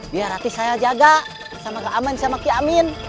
biar ratih saya jaga sama keaman sama keamin